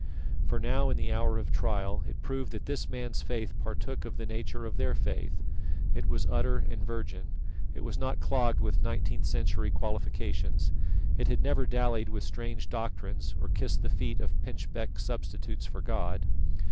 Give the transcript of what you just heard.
For now, in the hour of trial, it proved that this man's faith partook of the nature of their faith. It was utter and virgin; it was not clogged with nineteenth century qualifications; it had never dallied with strange doctrines, or kissed the feet of pinchbeck substitutes for God.